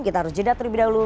kita harus jeda terlebih dahulu